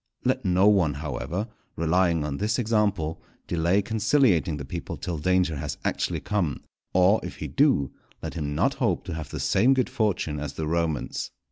Let no one however, relying on this example, delay conciliating the people till danger has actually come; or, if he do, let him not hope to have the same good fortune as the Romans.